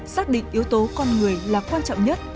xác định yếu tố con người là quan trọng nhất